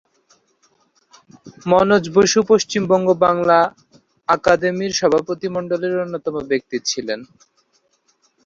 মনোজ বসু পশ্চিমবঙ্গ বাংলা আকাদেমির সভাপতি মণ্ডলীর অন্যতম ব্যক্তি ছিলেন।